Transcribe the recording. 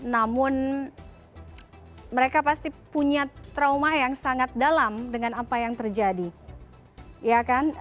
namun mereka pasti punya trauma yang sangat dalam dengan apa yang terjadi ya kan